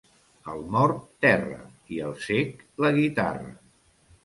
Al mort, terra, i al cec, la guitarra.